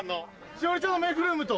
栞里ちゃんのメイクルームと。